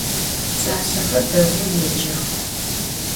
Pşsaşsexer değou yêcex.